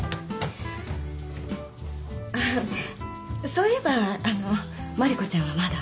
そういえば万理子ちゃんはまだ？